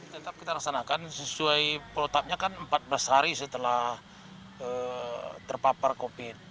tetap kita laksanakan sesuai protapnya kan empat belas hari setelah terpapar covid